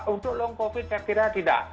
untuk long covid saya kira tidak